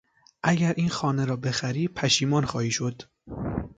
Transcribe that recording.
اگر این خانه را بخری پشیمان خواهی شد.